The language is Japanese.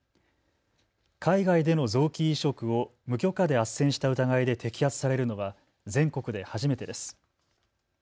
海外での臓器移植を無許可であっせんした疑いで摘発されるのは全国で初めてです。